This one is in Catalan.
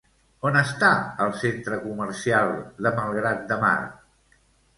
On està el centre comercial de Malgrat de Mar?